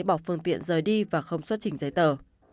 bỏ phương tiện rời đi và không xuất trình giấy tờ